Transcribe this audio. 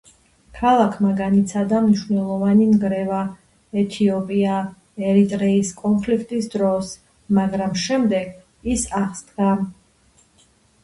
ქალაქმა განიცადა მნიშვნელოვანი ნგრევა ეთიოპია-ერიტრეის კონფლიქტის დროს, მაგრამ შემდეგ ის აღსდგა.